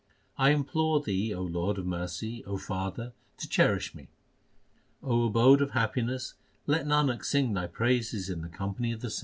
I implore Thee, O Lord of mercy, O Father, to cherish me ! Abode of happiness, let Nanak sing Thy praises in the company of the saints.